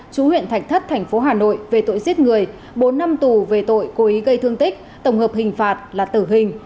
chú huyện thạch thất tp hà nội về tội giết người bốn năm tù về tội cố ý gây thương tích tổng hợp hình phạt là tử hình